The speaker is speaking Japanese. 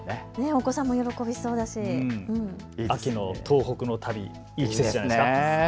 お子さんも喜びそうですし秋の東北の旅いい季節じゃないですか。